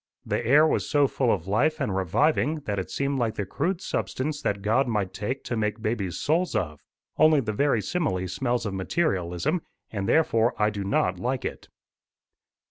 The air was so full of life and reviving, that it seemed like the crude substance that God might take to make babies' souls of only the very simile smells of materialism, and therefore I do not like it.